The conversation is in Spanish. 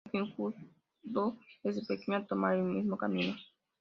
Lo que lo indujo desde pequeño a tomar el mismo camino.